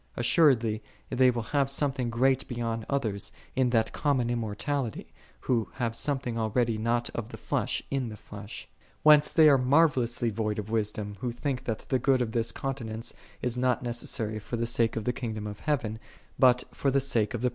Assuredly they will have something great be yond others in that common immortality, who have something already not of the flesh in the flesh. 13. Whence they are marvellously void of wisdom, who think that the good of this con tinence is not necessary for the sake of the kingdom of heaven, but for the sake of the.